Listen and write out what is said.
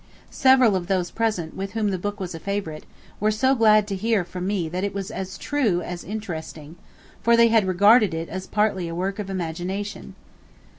Several of those present with whom the book was a favorite, were so glad to hear from me that it was as true as interesting, for they had regarded it as partly a work of imagination.